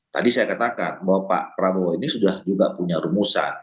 tadi saya katakan bahwa pak prabowo ini sudah juga punya rumusan